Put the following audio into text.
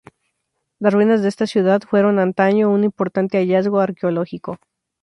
Las ruinas de esta ciudad fueron antaño un importante hallazgo arqueológico.